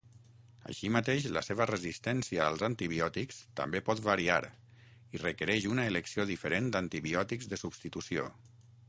Així mateix, la seva resistència als antibiòtics també pot variar i requereix una elecció diferent d'antibiòtics de substitució.